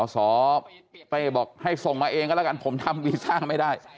สเป้บอกให้ส่งมาเองก็แล้วกันผมทำวีซ่าไม่ได้